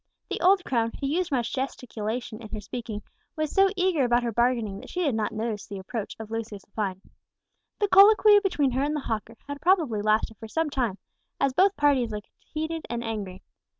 The old crone, who used much gesticulation in speaking, was so eager about her bargaining that she did not notice the approach of Lucius Lepine. The colloquy between her and the hawker had probably lasted for some time, as both parties looked heated and angry.